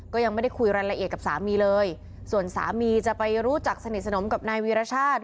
ก็ยังไม่ได้คุยรายละเอียดกับสามีเลยส่วนสามีจะไปรู้จักสนิทสนมกับนายวีรชาติ